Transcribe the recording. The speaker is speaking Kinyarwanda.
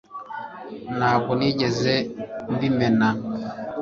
ntabwo nigeze mbimena